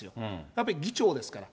やっぱり議長ですから。